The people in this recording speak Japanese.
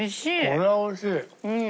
これはおいしい！